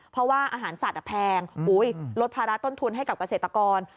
เพราะว่าอาหารสัตว์แพงลดภาระต้นทุนให้กับเกษตรกร